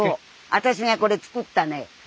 私がこれ作ったのよ